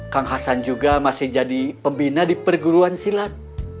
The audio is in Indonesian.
kang hasan juga masih jadi pembina di perguruan silat